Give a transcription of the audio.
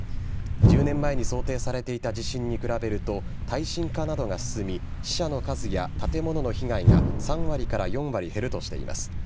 １０年前に想定されていた地震に比べると耐震化などが進み死者の数や建物の被害が３割から４割、減るとしています。